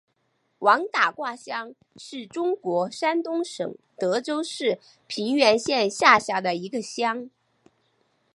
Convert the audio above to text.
王打卦乡是中国山东省德州市平原县下辖的一个乡。